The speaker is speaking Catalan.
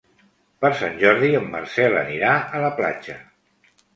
Per Sant Jordi en Marcel anirà a la platja.